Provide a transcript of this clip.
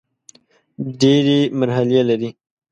ډېري مرحلې لري .